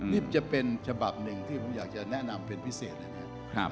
นี่จะเป็นฉบับหนึ่งที่ผมอยากจะแนะนำเป็นพิเศษนะครับ